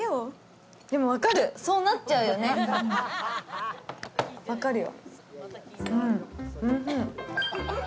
分かる、そうなっちゃうよね、分かるよ。